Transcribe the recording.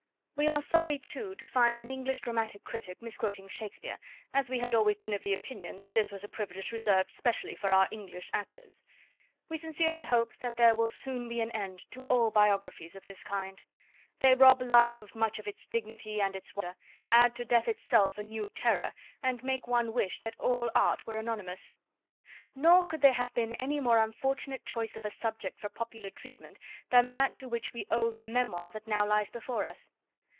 We are sorry, too, to find an English dramatic critic misquoting Shakespeare, as we had always been of opinion that this was a privilege reserved specially for our English actors. We sincerely hope that there will soon be an end to all biographies of this kind. They rob life of much of its dignity and its wonder, add to death itself a new terror, and make one wish that all art were anonymous. Nor could there have been any more unfortunate choice of a subject for popular treatment than that to which we owe the memoir that now lies before us.